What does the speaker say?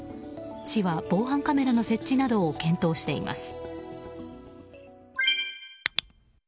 市は防犯カメラの設置などを検討しています。